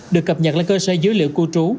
được cập nhật lên cơ sở dữ liệu cư trú